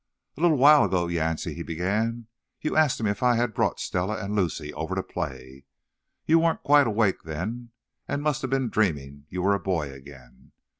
"A little while ago, Yancey," he began, "you asked me if I had brought Stella and Lucy over to play. You weren't quite awake then, and must have been dreaming you were a boy again.